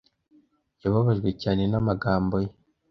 Yababajwe cyane n'amagambo ye.